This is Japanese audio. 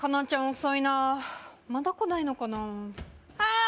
遅いなまだ来ないのかなあ